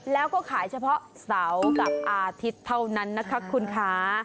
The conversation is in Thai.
แล้วก็ขายเฉพาะเสาร์กับอาทิตย์เท่านั้นนะคะคุณคะ